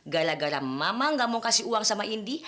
gara gara mama gak mau kasih uang sama indi